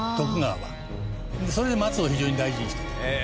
それで松を非常に大事にしてた。